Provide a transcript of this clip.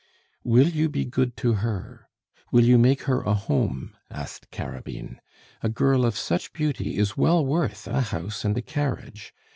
"Will you be good to her? Will you make her a home?" asked Carabine. "A girl of such beauty is well worth a house and a carriage!